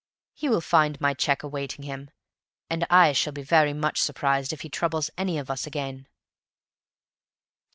He will find my check awaiting him, and I shall be very much surprised if he troubles any of us again."